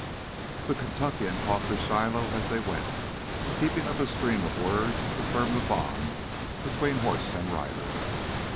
The Kentuckian talked to Shiloh as they went, keeping up a stream of words to firm the bond between horse and rider.